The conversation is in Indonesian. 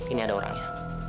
ini ada orangnya